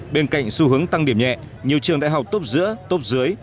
bên cạnh xu hướng tăng điểm nhẹ nhiều trường đại học tốt giữa tốp dưới